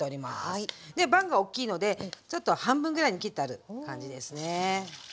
でおっきいのでちょっと半分ぐらいに切ってある感じですね。